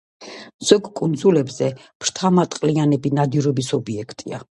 ზოგ კუნძულებზე ფრთამატყლიანები ნადირობის ობიექტია.